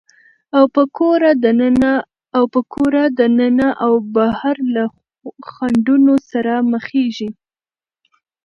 او په کوره دننه او بهر له خنډونو سره مخېږي،